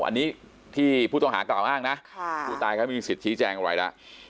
อันนี้ที่ผู้ต้องหากล่าวอ้างนะผู้ตายเขาไม่มีสิทธิแจงอะไรแล้ว